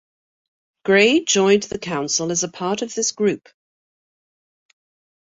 Grey joined the Council as a part of this group.